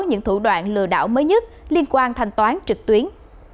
những thủ đoạn lừa đảo mới nhất liên quan thanh toán trực tuyến